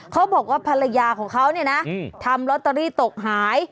เขาบอกว่าภรรยาของเขาเนี่ยนะทำลอตเตอรี่ตกหาย